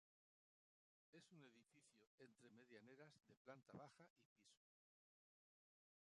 Es un edificio entre medianeras de planta baja y piso.